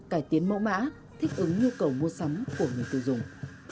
cải tiến mẫu mã thích ứng nhu cầu mua sắm của người tiêu dùng